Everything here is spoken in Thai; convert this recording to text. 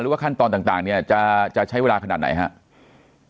ว่าขั้นตอนต่างเนี่ยจะใช้เวลาขนาดไหนครับ